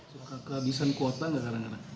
suka kehabisan kuota nggak kadang kadang